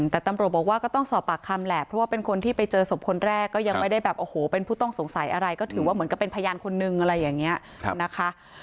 แต่ตำรถบอกว่าก็ต้องสอบปากคำแหละเพราะว่าเป็นคนที่ไปเจอศพคนแรกก็ยังไม่ได้แบบโอโหเป็นผู้ต้องสงสัยอะไรเพราะว่าเป็นผู้ต้องสงสัยอะไร